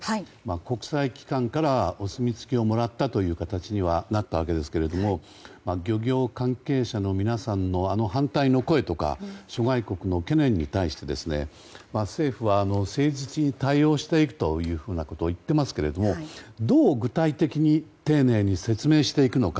国際機関からお墨付きをもらった形にはなったわけですが漁業関係者の皆さんの反対の声とか諸外国の懸念に対して政府は誠実に対応していくというようなことを言っていますけれどもどう具体的に丁寧に説明していくのか。